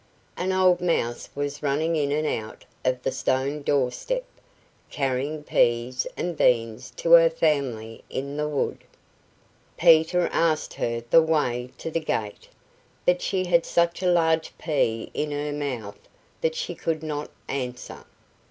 An old mouse was running in and out over the stone doorstep, carrying peas and beans to her family in the wood. Peter asked her the way to the gate, but she had such a large pea in her mouth that she could not answer.